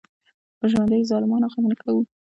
په ژوندیو ظالمانو غږ نه کوو.